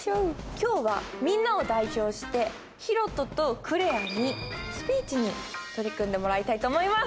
今日はみんなを代表してひろととクレアにスピーチに取り組んでもらいたいと思います。